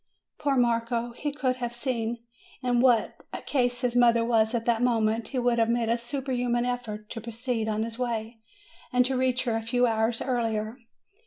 Poor Marco! If he could have seen in what a case his mother was at that moment, he would have made a superhuman effort to proceed on his way, and to reach her a few hours earlier.